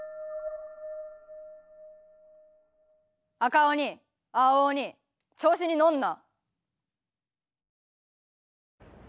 赤鬼青鬼調子に乗んな。